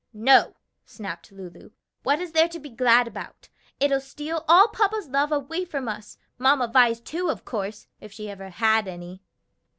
"No!" snapped Lulu, "what is there to be glad about? It'll steal all papa's love away from us; Mamma Vi's, too, of course, if she ever had any."